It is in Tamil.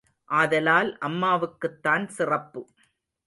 ஆதலால் அம்மாவுக்குத்தான் சிறப்பு.